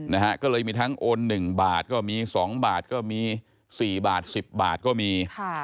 นะฮะก็เลยมีทั้งโอน๑บาทก็มี๒บาทก็มีสี่บาทสิบบาทก็มีค่ะ